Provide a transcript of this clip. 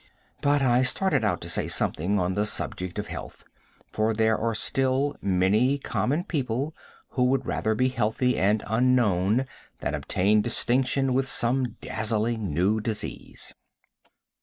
But I started out to say something on the subject of health, for there are still many common people who would rather be healthy and unknown than obtain distinction with some dazzling new disease.